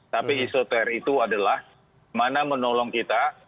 tapi isoter itu adalah mana menolong kita